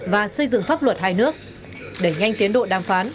và xây dựng pháp luật hai nước đẩy nhanh tiến độ đàm phán